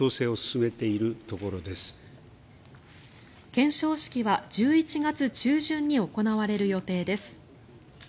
顕彰式は１１月中旬に行われる予定です。